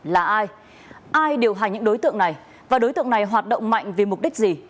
là ai ai điều hành những đối tượng này và đối tượng này hoạt động mạnh vì mục đích gì